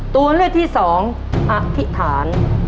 ตัวเลือกที่สองอธิษฐาน